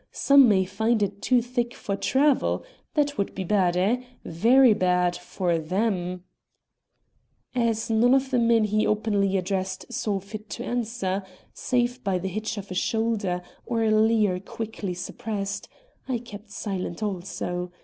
Some may find it too thick for travel. That would be bad, eh? very bad for them." As none of the men he openly addressed saw fit to answer, save by the hitch of a shoulder or a leer quickly suppressed, I kept silent also.